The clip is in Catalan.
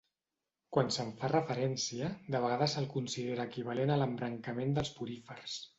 Quan se'n fa referència, de vegades se'l considera equivalent a l'embrancament dels porífers.